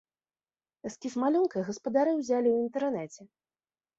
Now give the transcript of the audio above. Эскіз малюнка гаспадары ўзялі ў інтэрнэце.